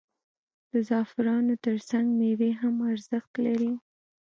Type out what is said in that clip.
د زعفرانو ترڅنګ میوې هم ارزښت لري.